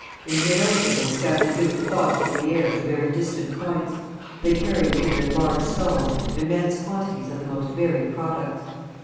In mid ocean they scatter human thoughts through the air to very distant points. They carry within their large skulls immense quantities of the most varied products.